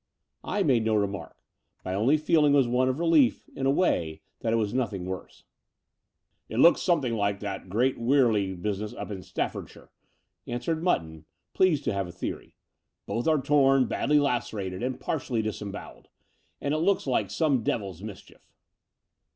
I made no remark. My only feeling was one of relief, in a way, that it was nothing worse. "It looks something like that Great Wyrley business up in Staffordshire," answered Mutton, pleased to have a theory. "Both are torn, badly lacerated, and partially disembowelled; and it looks like some devil's mischief."